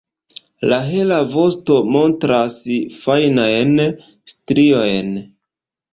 La hela vosto montras fajnajn striojn.